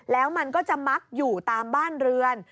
แล้วมันก็จะมักอยู่ตามบ้านเรือน